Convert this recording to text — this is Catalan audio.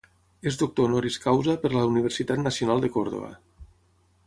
És doctor honoris causa per la Universitat Nacional de Còrdova.